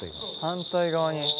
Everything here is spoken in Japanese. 反対側に。